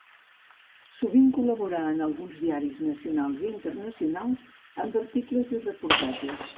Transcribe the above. Sovint col·laborà en alguns diaris nacionals i internacionals amb articles i reportatges.